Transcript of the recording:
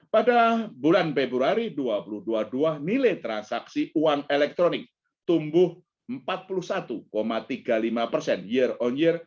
pada bulan februari dua ribu dua puluh dua nilai transaksi uang elektronik tumbuh empat puluh satu tiga puluh lima persen year on year